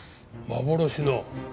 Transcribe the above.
幻の。